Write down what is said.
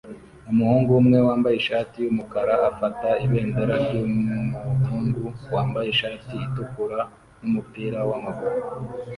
Umuhungu umwe wambaye ishati yumukara afata ibendera ryumuhungu wambaye ishati itukura numupira wamaguru